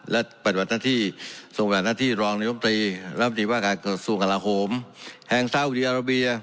และปฏิวัตินาที่ส่วนปฏิวัตินาที่รองนิวมตรีและปฏิวัติภาคศูนย์กราฮมแห่งเซาดีอาราเบีย